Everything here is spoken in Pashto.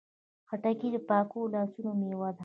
خټکی د پاکو لاسونو میوه ده.